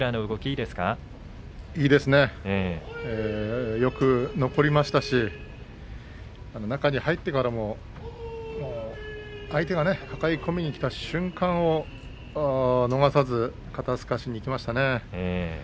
いいですねよく残りましたし中に入ってからも相手が抱え込みにきた瞬間を逃さずに肩すかしにいきましたね。